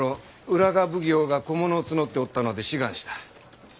浦賀奉行が小者を募っておったので志願した。